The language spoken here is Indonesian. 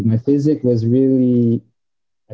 dan fisiknya itu benar benar